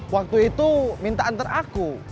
waktu itu minta antar aku